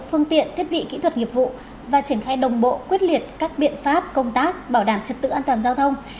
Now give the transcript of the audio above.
phương tiện thiết bị kỹ thuật nghiệp vụ và triển khai đồng bộ quyết liệt các biện pháp công tác bảo đảm trật tự an toàn giao thông